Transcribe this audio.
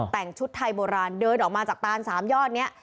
แต่งชุดไทยโบราณเดินออกมาจากตาน๓ยอดนี้